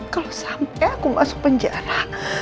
kalau sampai aku masuk penjara